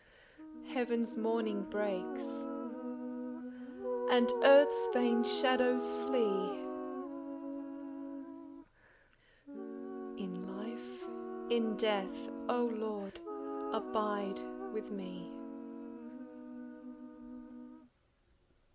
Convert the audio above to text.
Heaven's morning breaks, and earth's vain shadows flee In life, in death, O Lord, abide with me!